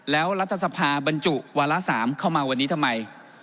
แล้วรัฐสภาบรรจุวาระ๓เข้ามาวันนี้ทำไม